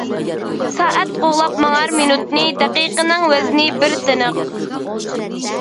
سائەت قوغلاپ ماڭار مىنۇتنى، دەقىقىنىڭ ۋەزنى بىر تىنىق.